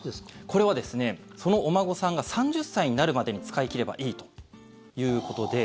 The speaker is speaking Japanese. これはそのお孫さんが３０歳になるまでに使い切ればいいということで。